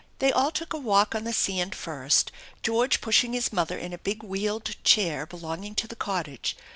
They all took a walk on the sand first, George pushing his mother in a big wheeled chair belonging to the cottage.